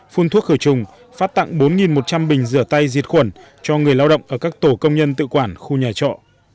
phun thuốc khởi trùng phát tặng bốn một trăm linh bình rửa tay diệt khuẩn cho người lao động ở các tổ công nhân tự quản khu nhà trọ